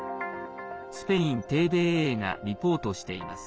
スペインＴＶＥがリポートしています。